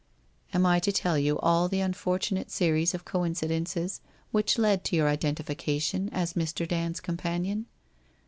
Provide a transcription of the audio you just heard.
' Am I to tell you all the unfortunate series of coinci dences which led to your identification as Mr. Dand's com panion